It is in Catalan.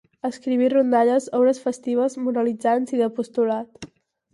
Escriví rondalles, obres festives, moralitzants i d'apostolat.